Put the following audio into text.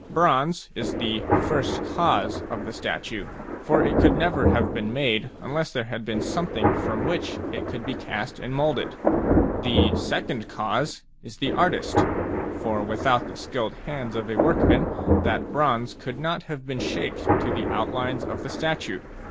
Bronze is the "first cause" of the statue, for it could never have been made unless there had been something from which it could be cast and moulded. The "second cause " is the artist ; for without the skilled hands of a workman that bronze could not have been shaped to the outlines of the statue.